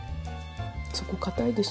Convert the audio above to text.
そこ硬いでしょ？